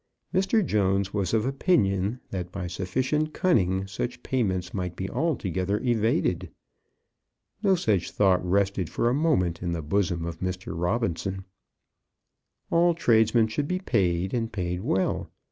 Mr. Jones was of opinion that by sufficient cunning such payments might be altogether evaded. No such thought rested for a moment in the bosom of Mr. Robinson. All tradesmen should be paid, and paid well.